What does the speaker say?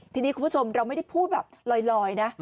ทีนี้คุณผู้ชมเราไม่ได้พูดแบบลอยนะ